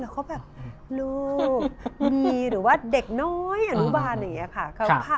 เขาแบบลูกมีหรือว่าเด็กน้อยอนุบาลอะไรอย่างนี้ค่ะ